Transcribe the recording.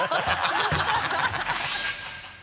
ハハハ